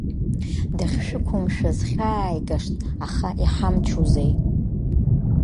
Дахьшәықәымшәаз хьааигашт, аха иҳамчузеи!